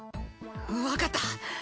わかった。